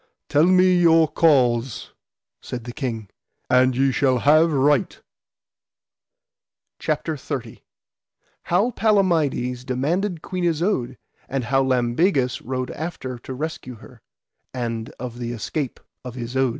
Tell me your cause, said the king, and ye shall have right. CHAPTER XXX. How Palamides demanded Queen Isoud, and how Lambegus rode after to rescue her, and of the escape of Isoud.